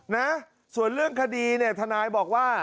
นะส่วนเรื่องคดีเนี่ยทนายบอกว่า